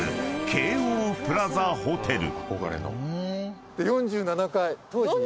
［京王プラザホテル］